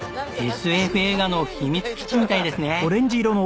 ＳＦ映画の秘密基地みたいですね！